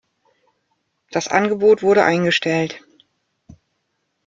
Das Angebot wurde eingestellt.